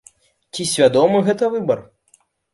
Ці свядомы гэта выбар?